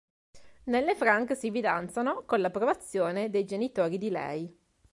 Nell e Frank si fidanzano con l'approvazione dei genitore di lei.